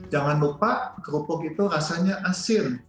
jangan lupa kerupuk itu rasanya asin